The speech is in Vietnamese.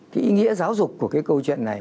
cái ý nghĩa giáo dục của cái câu chuyện này